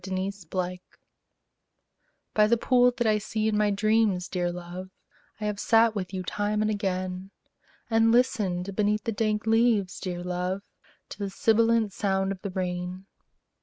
THE POOL By the pool that I see in my dreams, dear love, I have sat with you time and again; And listened beneath the dank leaves, dear love, To the sibilant sound of the rain.